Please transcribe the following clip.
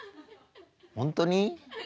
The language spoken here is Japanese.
本当に？